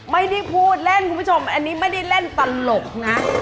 ไม่ได้พูดเล่นคุณผู้ชมอันนี้ไม่ได้เล่นตลกนะ